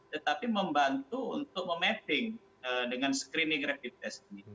tetapi membantu untuk memapping dengan screening rapid test ini